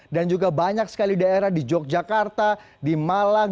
dan juga banyak sekali daerah di yogyakarta di malang